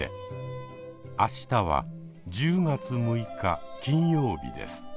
明日は１０月６日金曜日です。